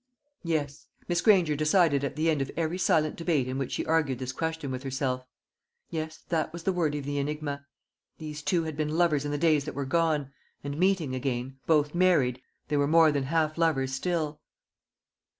Yes, Miss Granger decided at the end of every silent debate in which she argued this question with herself yes, that was the word of the enigma. These two had been lovers in the days that were gone; and meeting again, both married, they were more than half lovers still.